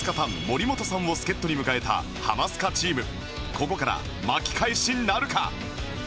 ここから巻き返しなるか？